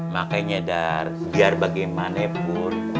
makanya dar biar bagaimanapun